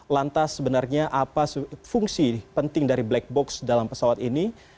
lantas sebenarnya apa fungsi penting dari black box dalam pesawat ini